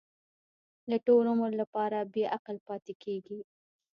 د ټول عمر لپاره بې عقل پاتې کېږي.